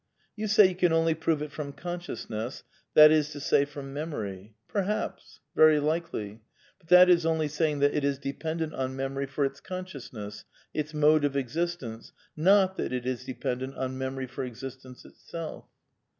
You say you can only prove it from consciousness, that is to say, from memory. Perhaps, very likely. But that is only saying that it is dependent on memory for its con | sciousness, it s mode of existen ce, not that it is dependent \ on me moyy for existeng fi itself.